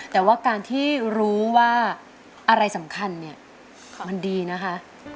แต่ว่าการที่รู้ว่าอะไรสำคัญเนี่ยมันดีนะคะ